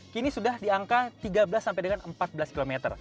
kini sudah di angka tiga belas sampai dengan empat belas km